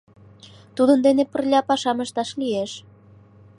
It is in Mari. — Тудын дене пырля пашам ышташ лиеш».